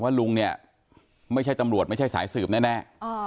ลุงเนี่ยไม่ใช่ตำรวจไม่ใช่สายสืบแน่